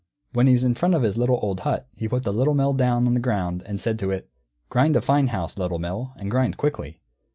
When he was in front of his little old hut, he put the Little Mill down on the ground and said to it, "Grind a fine house, Little Mill, and grind quickly."